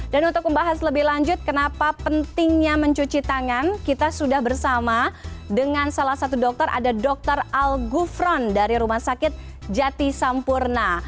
dan untuk membahas lebih lanjut kenapa pentingnya mencuci tangan kita sudah bersama dengan salah satu dokter ada dokter al gufron dari rumah sakit jati sampurna